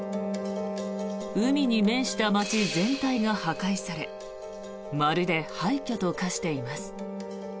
海に面した街全体が破壊されまるで廃虚と化しています。